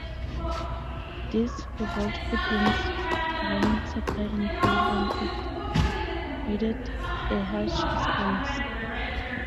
This revolt put Rome's grain supply in peril and it needed a harsh response.